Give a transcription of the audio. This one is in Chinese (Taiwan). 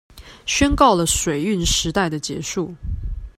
宣告了水運時代的結束